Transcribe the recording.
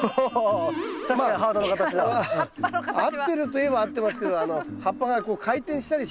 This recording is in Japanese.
合ってるといえば合ってますけど葉っぱが回転したりしないですよね。